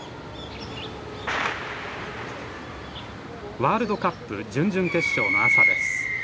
ワールドカップ準々決勝の朝です。